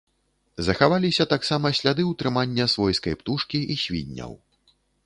Захаваліся таксама сляды ўтрымання свойскай птушкі і свінняў.